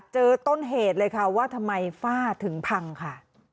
เจอต้นเหตุเลยค่ะว่าทำไมฝ้าถึงพังค่ะ